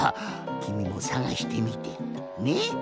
きみもさがしてみてね！